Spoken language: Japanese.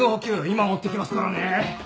今持ってきますからね。